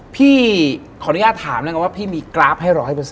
พี่ขออนุญาตถามแล้วกันว่าพี่มีกราฟให้๑๐๐